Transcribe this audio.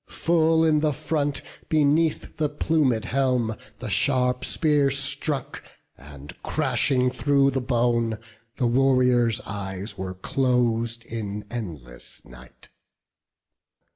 Full in the front, beneath the plumed helm, The sharp spear struck, and crashing thro' the bone, The warrior's eyes were clos'd in endless night.